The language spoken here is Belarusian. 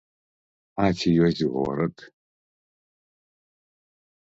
А ці ёсць горад?